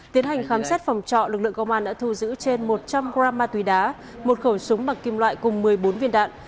tiến hành khám xét phòng trọ lực lượng công an đã thu giữ trên một trăm linh g ma túy đá một khẩu súng bằng kim loại cùng một mươi bốn viên đạn